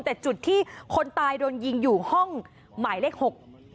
แต่จุดที่คนตายโดนยิงอยู่ห้องหมายเลข๖